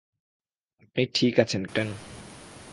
আপনি ঠিক আছেন, ক্যাপ্টেন।